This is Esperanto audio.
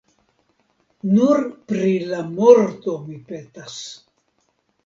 Nur pri la morto mi petas!